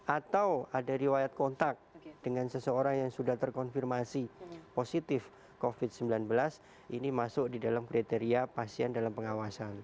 atau ada riwayat kontak dengan seseorang yang sudah terkonfirmasi positif covid sembilan belas ini masuk di dalam kriteria pasien dalam pengawasan